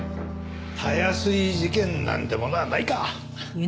たやすい事件なんてものはないか。